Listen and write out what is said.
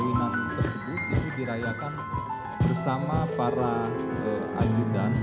ini perlu kami sampaikan